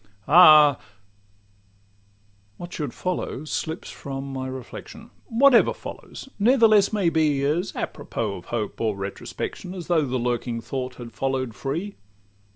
Ah!—What should follow slips from my reflection; Whatever follows ne'ertheless may be As à propos of hope or retrospection, As though the lurking thought had follow'd free.